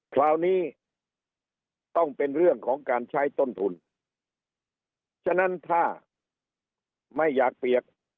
คราวนี้ต้องเป็นเรื่องของการใช้ต้นทุนฉะนั้นถ้าไม่อยากเปียก